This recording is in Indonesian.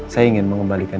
saya ingin mengembalikan